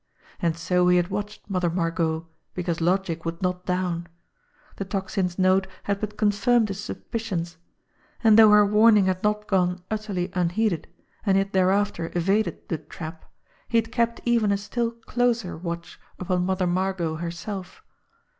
And so he had watched Mother Margot because logic would not down. The Tocsin's note had but confirmed his suspicions; and though her warning had not gone utterly unheeded, and he had thereafter evaded the "trap," he had kept even a still closer watch upon Mother Margot herself.